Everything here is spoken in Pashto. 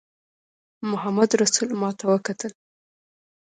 محمدرسول ماته وکتل.